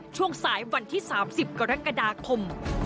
ช่วงสายวันที่๓๐กรกฎาคม